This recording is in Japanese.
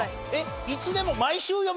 いつでも？